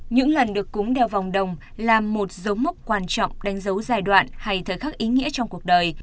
những lần được cúng đeo vòng đồng là một dấu mốc quan trọng đánh dấu giai đoạn hay thời khắc ý nghĩa trong cuộc đời